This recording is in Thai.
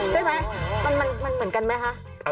ใช่ไหมมันเหมือนกันไหมคะ